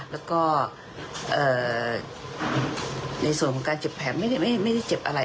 แล้วก็ในส่วนของการเจ็บแผลไม่ได้เจ็บอะไร